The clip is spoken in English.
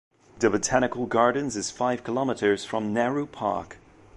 The Botanical Gardens is five kilometres from Nehru Park.